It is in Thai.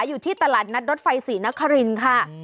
อยู่ที่ตลาดนัดรถไฟศรีนครินค่ะ